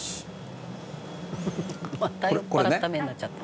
「また酔っ払った目になっちゃった」